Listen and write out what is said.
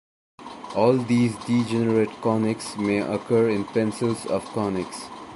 All these degenerate conics may occur in pencils of conics.